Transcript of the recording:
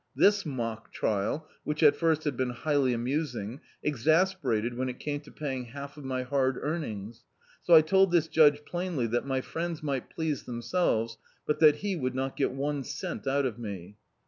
This mock trial, which at first had been highly amusing, exasperated when it came to paying half of my hard earnings, so I told this judge plainly that my friends mt^t please themselves, but that he would not get one cent out of me.